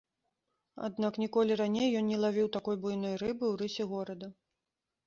Аднак ніколі раней ён не лавіў такой буйной рыбы ў рысе горада.